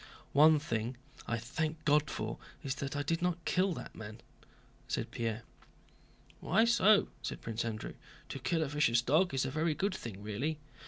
"One thing I thank God for is that I did not kill that man," said Pierre. "Why so?" asked Prince Andrew. "To kill a vicious dog is a very good thing really."